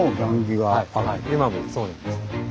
はい今もそうなんです。